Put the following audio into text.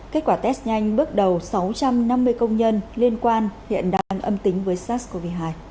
kết quả test nhanh bước đầu sáu trăm năm mươi công nhân liên quan hiện đang âm tính với sars cov hai